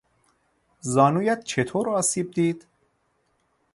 زانویت چطور آسیب دید؟